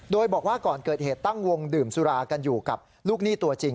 โดยบอกว่าก่อนเกิดเหตุตั้งวงดื่มสุรากันอยู่กับลูกหนี้ตัวจริง